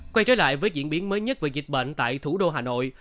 quay trở lại với diễn biến mới nhất về dịch bệnh tại thủ đô hà nội